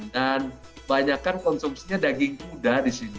dan banyakan konsumsinya daging guda di sini